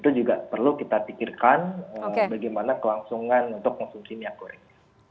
itu juga perlu kita pikirkan bagaimana kelangsungan untuk konsumsi minyak goreng